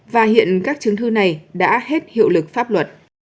và hiện các chứng thư này đã hết hiệu lực pháp luật